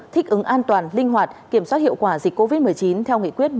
thích ứng an toàn linh hoạt kiểm soát hiệu quả dịch covid một mươi chín theo nghị quyết một trăm ba mươi